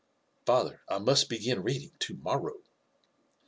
"Father, I must begin reading to morrow.'